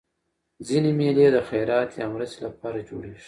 ځيني مېلې د خیرات یا مرستي له پاره جوړېږي.